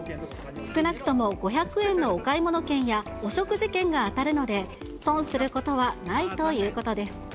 少なくとも５００円のお買い物券やお食事券が当たるので、損することはないということです。